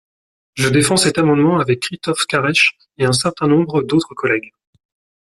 Je défends cet amendement avec Christophe Caresche et un certain nombre d’autres collègues.